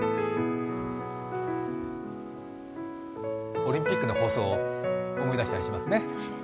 オリンピックの放送を思い出したりしますね。